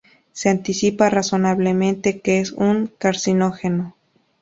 Se anticipa razonablemente que es un carcinógeno.